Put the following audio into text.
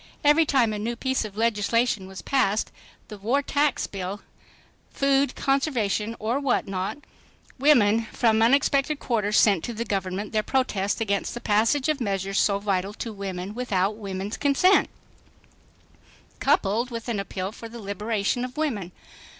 Every time a new piece of legislation was passed,—the war tax bill, food conservation or what not,—women from unexpected quarters sent to the Government their protest against the passage of measures so vital to women without women's consent, coupled with an appeal for the liberation of women.